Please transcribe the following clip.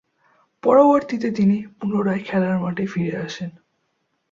পরবর্তীতে তিনি পুনরায় খেলার মাঠে ফিরে আসেন।